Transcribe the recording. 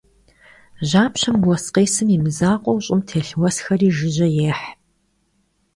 Жьапщэм уэс къесым и мызакъуэу, щӀым телъ уэсхэри жыжьэ ехь.